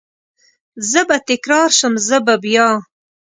زه به تکرار شم، زه به بیا،